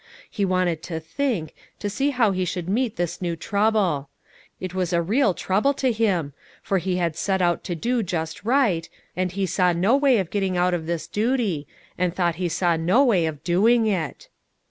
He wanted to think, to see how he should meet this new trouble; it was a real trouble to him, for he had set out to do just right, and he saw no way of getting out of this duty, and thought he saw no way of doing it.